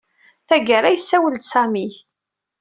Tagara, yessawel-d Sami.